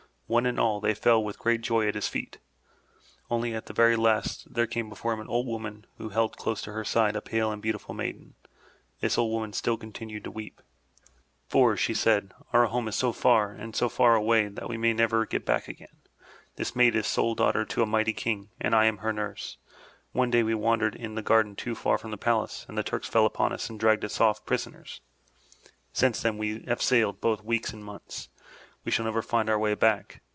One and all, they fell with great joy at his feet. Only at the very last, there came before him an old woman who held close to her side a pale and beautiful maiden. This old woman still continued to weep. "For," said she, "our home is so far and so far away that we can never get back again. This maid is sole daughter to a mighty king, and I am her nurse. One day we wandered in the garden too far from the palace, and the Turks fell upon us and dragged us off prisoners. Since then we have sailed both weeks and months. We shall never find our way back.